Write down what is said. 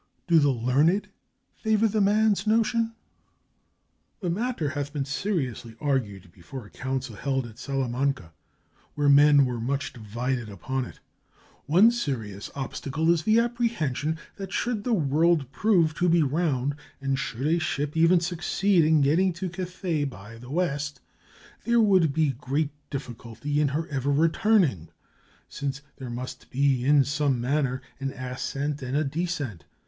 "Do the learned favor the man's notion?" "The matter hath been seriously argued before a council held at Salamanca, where men were much di vided upon it. One serious obstacle is the apprehension that, should the world prove to be round, and should a ship even succeed in getting to Cathay by the west, there would be great difficulty in her ever returning, since there must be, in some manner, an ascent and a descent.